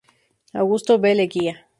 Augusto B. Leguía.